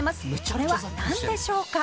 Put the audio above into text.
「それはなんでしょうか？」